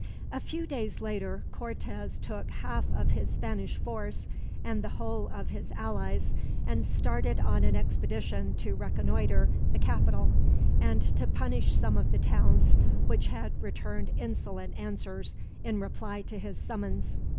A few days later, Cortez took half of his Spanish force and the whole of his allies, and started on an expedition to reconnoiter the capital, and to punish some of the towns which had returned insolent answers in reply to his summons.